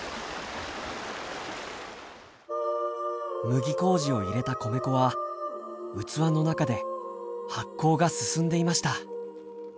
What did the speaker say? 麦麹を入れた米粉は器の中で発酵が進んでいました。